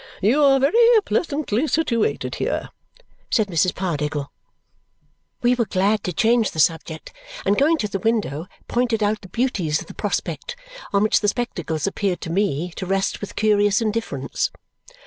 "You are very pleasantly situated here!" said Mrs. Pardiggle. We were glad to change the subject, and going to the window, pointed out the beauties of the prospect, on which the spectacles appeared to me to rest with curious indifference.